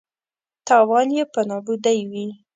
تاوان یې په نابودۍ وي.